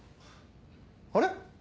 あれ？